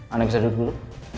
andin bisa duduk dulu